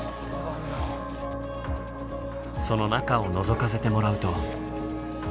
その中をのぞかせてもらうと。